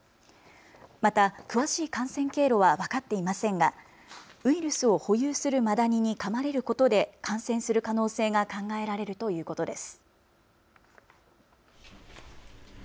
また詳しい感染経路は分かっていませんが、ウイルスを保有するマダニにかまれることで感染する可能性が考えられるということです。